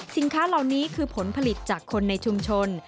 สินค้าเหล่านี้คือผลผลิตจากคนในชุมชน